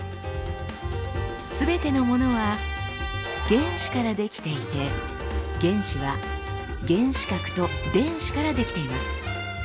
すべてのものは原子から出来ていて原子は原子核と電子から出来ています。